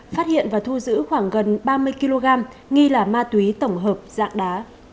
phát hiện và thu giữ khoảng gần ba mươi kg nghi là ma túy tổng hợp dạng đá